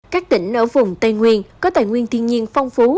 các tỉnh ở vùng tây nguyên có tài nguyên thiên nhiên phong phú